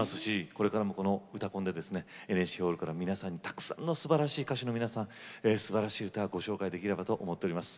これからも「うたコン」でＮＨＫホールから皆さんたくさんのすばらしい歌手の皆さんのすばらしい歌をご紹介していこうと思っています。